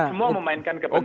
semua memainkan kepentingan